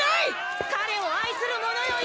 彼を愛する者よ